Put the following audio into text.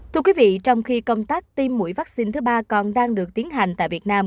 thưa quý vị trong khi công tác tiêm mũi vaccine thứ ba còn đang được tiến hành tại việt nam